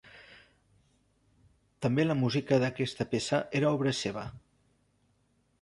També la música d'aquesta peça era obra seva.